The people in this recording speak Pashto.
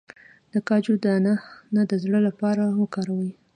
د کاجو دانه د زړه لپاره وکاروئ